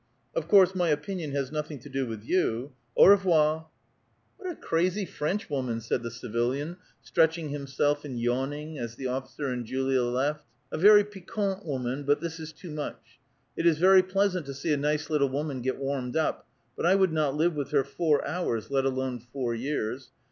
Of course, my opinion has nothino: to do with vou. Au revoir I" A VITAL QUESTION. 27 *' Wliat a crazy Frenchwoman I " saul the civilian, stretch ing himself and yawning, as the officer and Julia left. ^' A very piquante woman, but this is too much. It is very pleas ant to see a nice little woman get warmed up ; but 1 would not live with her four houi*s, let alone four years.